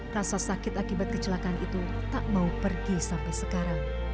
rasa sakit akibat kecelakaan itu tak mau pergi sampai sekarang